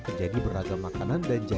menjadi beragam makanan dan jajanan olahan